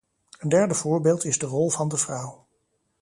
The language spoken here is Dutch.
Een derde voorbeeld is de rol van de vrouw.